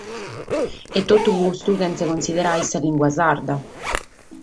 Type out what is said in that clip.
E totu custu sena cunsiderare sa limba sarda.